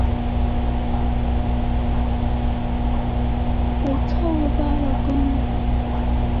棕夜鹭为鹭科夜鹭属下的一个种。